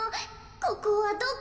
ここはどこ？